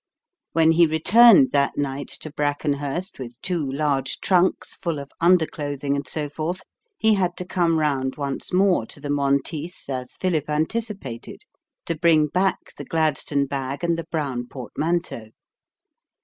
When he returned that night to Brackenhurst with two large trunks, full of underclothing and so forth, he had to come round once more to the Monteiths, as Philip anticipated, to bring back the Gladstone bag and the brown portmanteau.